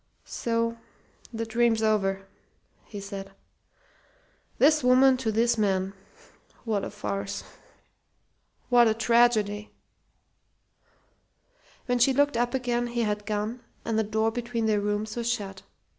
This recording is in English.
"So! The dream's over!" he said. "'This woman to this man'! What a farce what a tragedy!" When she looked up again he had gone and the door between their rooms was shut.